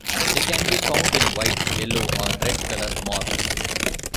They can be found in white, yellow, or red colour morphs.